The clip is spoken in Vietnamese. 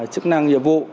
chức năng nhiệm vụ